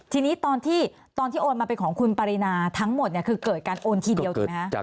ทีนี้ตอนที่โอนมาเป็นของคุณปรินาทั้งหมดคือเกิดการโอนทีเดียวถูกไหมคะ